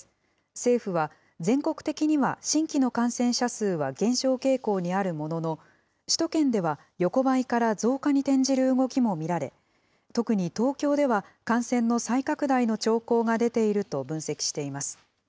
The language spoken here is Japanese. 政府は、全国的には新規の感染者数は減少傾向にあるものの、首都圏では、横ばいから増加に転じる動きも見られ、特に東京では感染の再拡大の兆候が出ていると分析しています。